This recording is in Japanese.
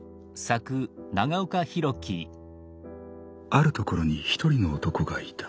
「あるところに一人の男がいた。